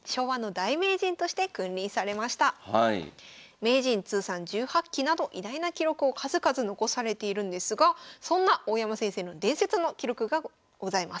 名人通算１８期など偉大な記録を数々残されているんですがそんな大山先生の伝説の記録がございます。